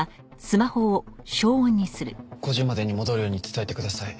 ５時までに戻るように伝えてください。